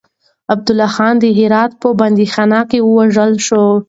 عبدالله خان د هرات په بنديخانه کې ووژل شو.